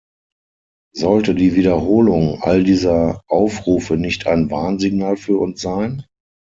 Sollte die Wiederholung all dieser Aufrufe nicht ein Warnsignal für uns sein?